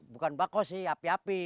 bukan bako sih api api